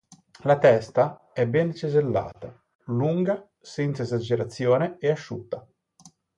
La testa è ben cesellata, lunga senza esagerazione e asciutta.